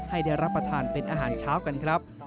ให้ได้รับประทานเป็นอาหารเช้ากันครับ